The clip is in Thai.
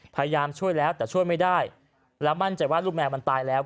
พยายามช่วยแล้วแต่ช่วยไม่ได้แล้วมั่นใจว่าลูกแมวมันตายแล้ว